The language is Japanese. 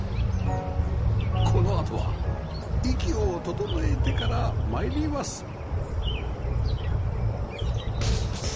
このあとは息を整えてから参ります